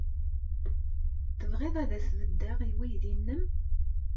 Tebɣiḍ ad as-beddeɣ i weydi-nnem?